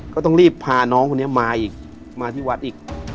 ก็ต้องรีบพาน้องคนนี้มาอีกมาที่วัดอีก